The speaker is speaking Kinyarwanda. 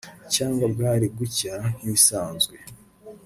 Cyangwa bwari gucya nk’ibisanzwe